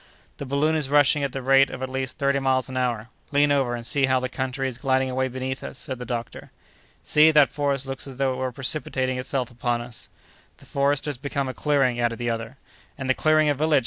"The balloon is rushing at the rate of at least thirty miles an hour. Lean over, and see how the country is gliding away beneath us!" said the doctor. "See! that forest looks as though it were precipitating itself upon us!" "The forest has become a clearing!" added the other. "And the clearing a village!"